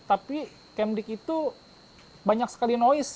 tapi kemdik itu banyak sekali noise